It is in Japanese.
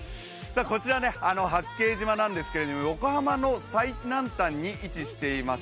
こちら、八景島なんですけれども横浜の最南端に位置しています